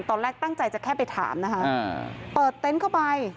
ตอนแรกตั้งใจจะแค่ไปถามนะคะเปิดเต็นต์เข้าไป